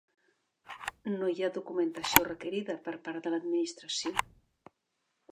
No hi ha documentació requerida per part de l'Administració.